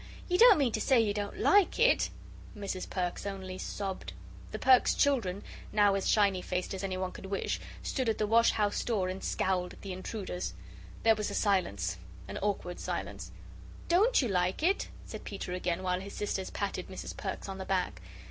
You don't mean to say you don't like it?" Mrs. Perks only sobbed. The Perks children, now as shiny faced as anyone could wish, stood at the wash house door, and scowled at the intruders. There was a silence, an awkward silence. "DON'T you like it?" said Peter, again, while his sisters patted Mrs. Perks on the back.